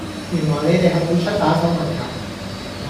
原來你哋係會出打手文架